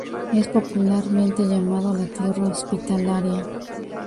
Es popularmente llamado "La tierra hospitalaria".